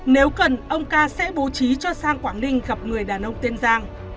nếu cần ông ca sẽ bố trí cho sang quảng ninh gặp người đàn ông tiên giang